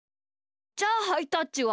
じゃあハイタッチは？